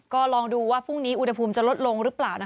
ก็ลองดูว่าพรุ่งนี้อุณหภูมิจะลดลงหรือเปล่า